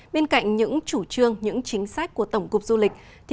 bên cạnh những chủ trương những chính sách của tổng cục du lịch